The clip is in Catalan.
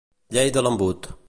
Llei de l'embut.